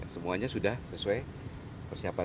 semuanya sudah sesuai persiapan